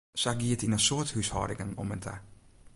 Sa gie it yn in soad húshâldingen om en ta.